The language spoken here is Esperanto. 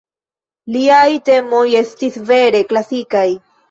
Liaj temoj estis vere klasikaj.